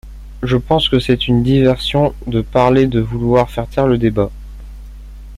Je pense que c'est une diversion de parler de vouloir faire taire le débat.